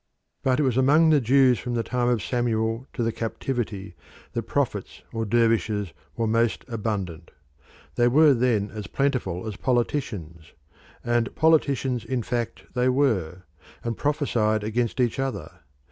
But it was among the Jews from the time of Samuel to the captivity that prophets or dervishes were most abundant. They were then as plentiful as politicians and politicians in fact they were, and prophesied against each other.